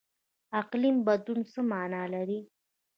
اقلیم بدلون څه مانا لري؟